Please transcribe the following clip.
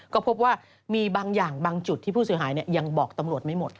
ก็พบว่ามีบางอย่างบางจุดที่ผู้เสียหายยังบอกตำรวจไม่หมด